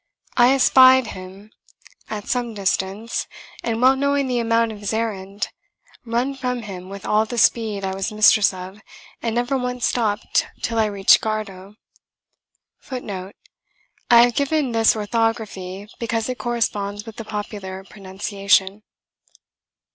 I espied him at some distance, and well knowing the amount of his errand, run from him with all the speed I was mistress of, and never once stopped till I reached Gardow. [Footnote: I have given this orthography, because it corresponds with the popular pronunciation.